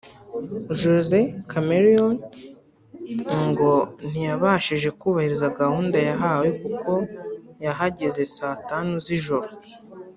Jose Chameleone ngo ntiyabashije kubahiriza gahunda yahawe kuko yahageze Saa Tanu z'ijoro